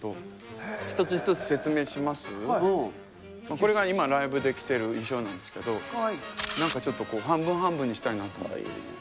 これが今ライブで着てる衣装なんですけど何かちょっと半分半分にしたいなと。